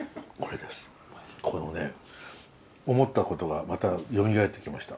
このね思ったことがまたよみがえってきました。